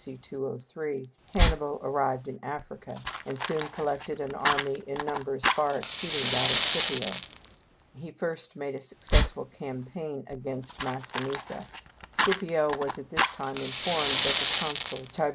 C. 203) Hannibal arrived in Africa, and soon collected an army in numbers far exceeding that of Scipio. He first made a successful campaign against Massinissa. Scipio was at this time informed that the consul Tib.